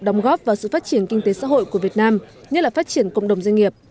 đóng góp vào sự phát triển kinh tế xã hội của việt nam nhất là phát triển cộng đồng doanh nghiệp